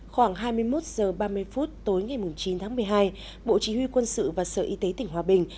khoảng hai mươi một h ba mươi phút tối ngày chín tháng một mươi hai bộ chỉ huy quân sự và sở y tế tỉnh hòa bình